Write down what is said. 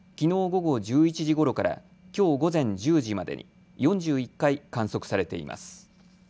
午後１１時ごろからきょう午前１０時までに４１回、観測されています。